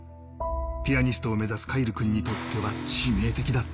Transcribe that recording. ピアニストを目指す凱成君にとっては致命的だった。